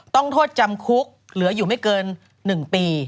ต้องโทษจำคุกเหลืออยู่ไม่เกิน๑ปี